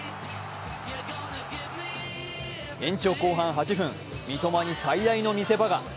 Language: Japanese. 延長後半８分、三笘に最大の見せ場が。